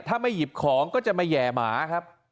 ถ้าไม่หยิบของก็จะมาแห่หมาครับ